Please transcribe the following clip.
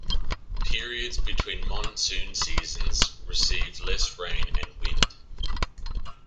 Periods between monsoon seasons receive less rain and wind.